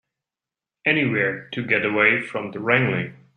Anywhere to get away from that wrangling.